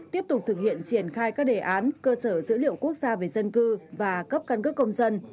tiếp tục thực hiện triển khai các đề án cơ sở dữ liệu quốc gia về dân cư và cấp căn cước công dân